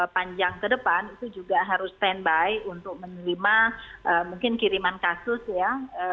panjang kedepan itu juga harus stand by untuk menerima mungkin kiriman kasus ya